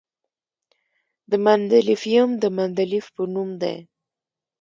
د مندلیفیم د مندلیف په نوم دی.